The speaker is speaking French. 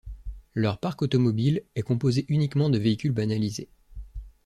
Leur parc automobile est composé uniquement de véhicules banalisés.